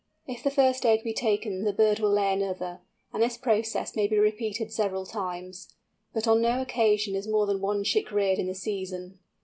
If the first egg be taken the bird will lay another, and this process may be repeated several times, but on no occasion is more than one chick reared in the season.